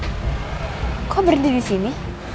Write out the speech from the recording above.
ya kok berdiri di sini